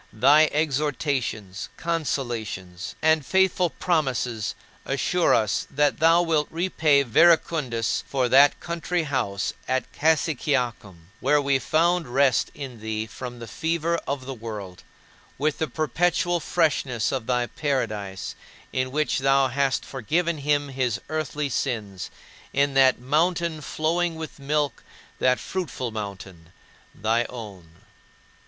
Thy exhortations, consolations, and faithful promises assure us that thou wilt repay Verecundus for that country house at Cassiciacum where we found rest in thee from the fever of the world with the perpetual freshness of thy paradise in which thou hast forgiven him his earthly sins, in that mountain flowing with milk, that fruitful mountain thy own.